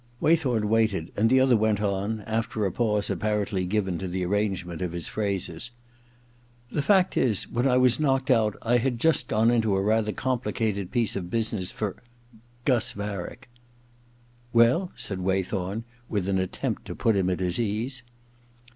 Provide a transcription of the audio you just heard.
Waythorn waited, and the other went on, after a pause apparently given to the arrange ment of his phrases :* The fact is, when I was knocked out I had just gone into a rather com plicated piece of business for — Gus Varick.' * Well ?' said Waythorn, with an attempt to put him at his ease.